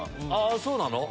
そうなの？